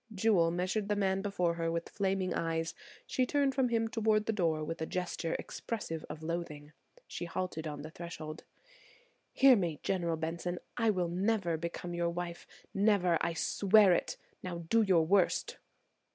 Jewel measured the man before her with flaming eyes; she turned from him toward the door with a gesture expressive of loathing; she halted on the threshold. "Hear me, General Benson, I will never become your wife; never, I swear it. Now do your worst."